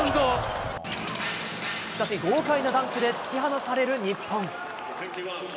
しかし豪快なダンクで突き放される日本。